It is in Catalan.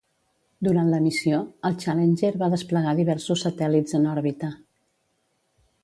Durant la missió, el "Challenger" va desplegar diversos satèl·lits en òrbita.